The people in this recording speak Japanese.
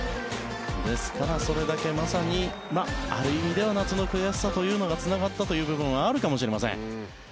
ですから、それだけまさにある意味では夏の悔しさというのがつながった部分はあるかもしれません。